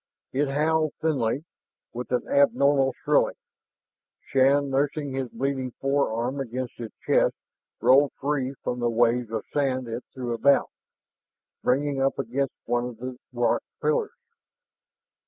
It howled thinly, with an abnormal shrilling. Shann, nursing his bleeding forearm against his chest, rolled free from the waves of sand it threw about, bringing up against one of the rock pillars.